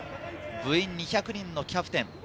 部員２００人のキャプテン。